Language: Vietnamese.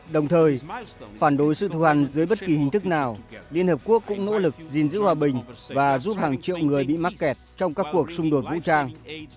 đồng thời phản đối sự thù hành dưới bất kỳ hình thức nào liên hợp quốc cũng nỗ lực gìn giữ hòa bình và giúp hàng triệu người bị mắc kẹt trong các cuộc xung đột vũ trang